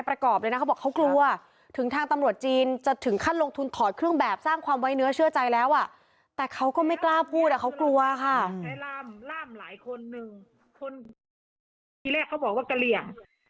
ร่ามร่ามหลายคนหนึ่งคนที่แรกเขาบอกว่ากระเหลี่ยง